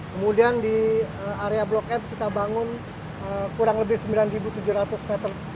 kemudian di area blok m kita bangun kurang lebih sembilan tujuh ratus meter